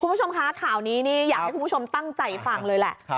คุณผู้ชมคะข่าวนี้นี่อยากให้คุณผู้ชมตั้งใจฟังเลยแหละ